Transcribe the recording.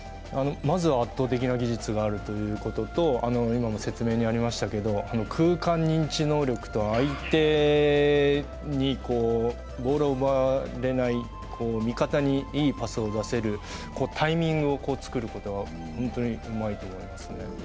まずは圧倒的な技術があるということと今も説明がありましたけれども空間認知能力と相手にボールを奪われない味方にいいパスを出せるタイミングを作ることが本当にうまいと思いますね。